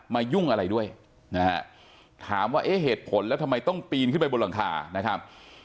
ยุ่งอะไรด้วยนะฮะถามว่าเอ๊ะเหตุผลแล้วทำไมต้องปีนขึ้นไปบนหลังคานะครับ